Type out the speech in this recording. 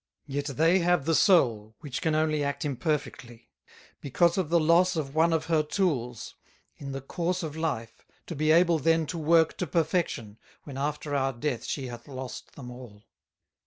Yet they have the Soul, which can only act imperfectly, because of the loss of one of her Tools, in the course of Life, to be able then to work to Perfection, when after our death she hath lost them all.